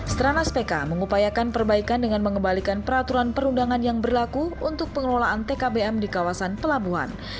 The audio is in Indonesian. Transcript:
stranas pk mengupayakan perbaikan dengan mengembalikan peraturan perundangan yang berlaku untuk pengelolaan tkbm di kawasan pelabuhan